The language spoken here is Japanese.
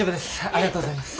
ありがとうございます。